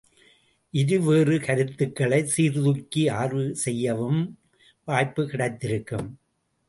இருவேறு கருத்துகளைச் சீர்தூக்கி ஆய்வு செய்யவும் வாய்ப்புக் கிடைத்திருக்கும்.